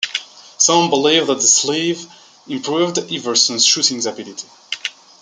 Some believed that the sleeve improved Iverson's shooting ability.